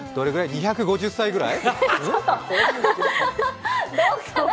２５０歳ぐらい？